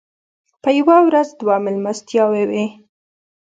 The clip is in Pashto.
په یوه ورځ دوه مېلمستیاوې وې.